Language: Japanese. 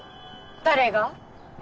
誰が？